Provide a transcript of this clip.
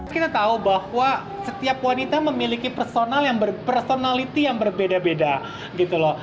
kita tahu bahwa setiap wanita memiliki personal yang berbeda beda